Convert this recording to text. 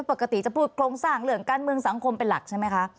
ปกติจะพูดโครงสร้างเรื่องการเมืองสังคมเป็นหลักใช่ไหมคะ